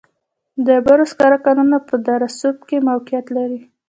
د ډبرو سکرو کانونه په دره صوف کې موقعیت لري.